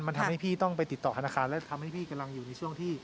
มันทำให้พี่ต้องไปติดต่อธนาคารและทำให้พี่กำลังอยู่ในช่วงที่